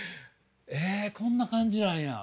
えこんな感じなんや。